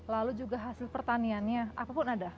lalu juga hasil pertaniannya apapun ada